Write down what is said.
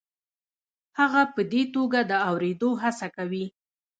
هغه په دې توګه د اورېدو هڅه کوي.